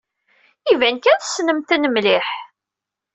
Iban kan tessnemt-ten mliḥ.